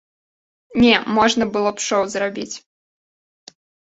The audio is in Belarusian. Не, можна было б шоў зрабіць.